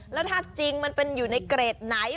แล้วถ้าจริงมันเป็นอยู่ในเกรดไหน